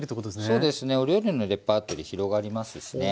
そうですねお料理のレパートリー広がりますしね。